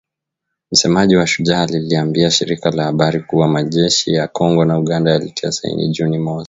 Msemaji wa Shujaa aliliambia shirika la habari kuwa majeshi ya Kongo na Uganda yalitia saini Juni mosi.